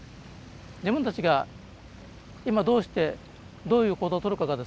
自分たちが今どうしてどういう行動をとるかがですね